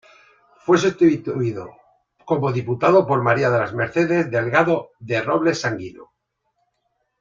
Fue sustituido como diputado por María de las Mercedes Delgado de Robles Sanguino.